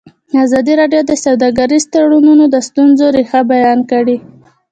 ازادي راډیو د سوداګریز تړونونه د ستونزو رېښه بیان کړې.